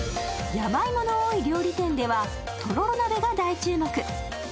山芋の多い料理店ではとろろ鍋が大注目。